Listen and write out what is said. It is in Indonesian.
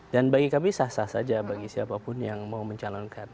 dan bagi kami sah sah saja bagi siapapun yang mau mencalonkan